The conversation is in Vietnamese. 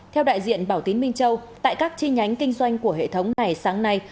theo đại diện bảo tín minh châu tại các chi nhánh kinh doanh của hệ thống này sáng nay